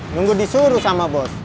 nunggu disuruh sama bos